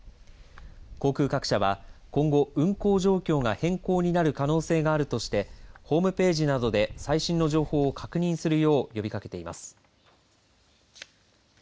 航空各社は今後、運航状況が変更になる可能性があるとしてホームページなどで最新の情報を確認するよう呼びかけています。